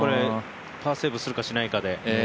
パーセーブするかしないかで。